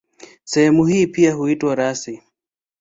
Sehemu hizi pia huitwa rasi.